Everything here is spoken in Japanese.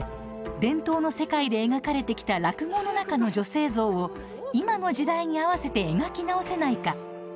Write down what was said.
伝統の世界で描かれてきた落語の中の女性像を今の時代に合わせて描き直せないか。